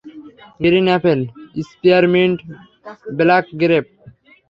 Green apple, spearmint, black grape?